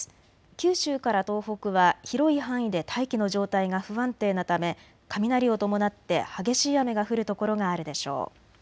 九州から東北は広い範囲で大気の状態が不安定なため雷を伴って激しい雨が降る所があるでしょう。